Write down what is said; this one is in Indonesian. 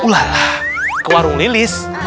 ulala ke warung lilis